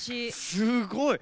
すごい！